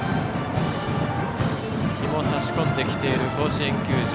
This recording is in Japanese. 日も差し込んできている甲子園球場。